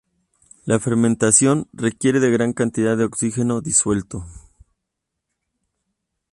La fermentación requiere de gran cantidad de oxígeno disuelto.